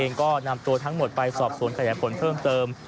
เองก็นำตัวทั้งหมดไปสอบสวนขยายผลเพิ่มเติม